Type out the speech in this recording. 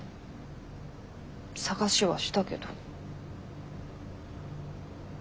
探しはしたけど。